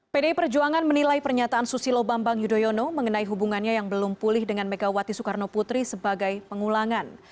pdi perjuangan menilai pernyataan susilo bambang yudhoyono mengenai hubungannya yang belum pulih dengan megawati soekarno putri sebagai pengulangan